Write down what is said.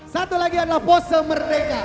satu lagi adalah pose merdeka